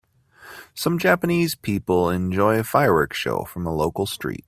Some Japanese people enjoy a fireworks shows from a local street